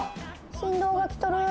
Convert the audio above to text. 振動が来とる！